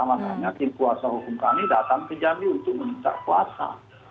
makanya tim kuasa hukum kami datang ke jambi untuk mencari kuasa